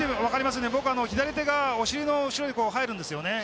僕、左手がお尻の後ろに入るんですね。